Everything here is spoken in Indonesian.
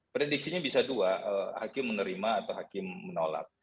prediksinya bisa dua hakim menerima atau hakim menolak